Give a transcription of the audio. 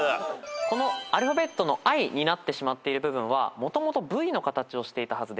このアルファベットの「Ｉ」になってしまっている部分はもともと「Ｖ」の形をしていたはずです。